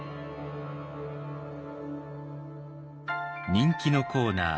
人気のコーナー